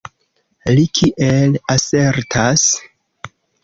Li kiel asertas?